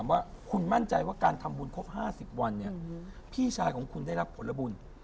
วันนี้พี่ชายของคุณได้รับผลบุญ